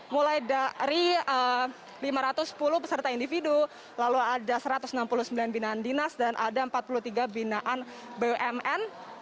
mulai dari lima ratus sepuluh peserta individu lalu ada satu ratus enam puluh sembilan binaan dinas dan ada empat puluh tiga binaan bumn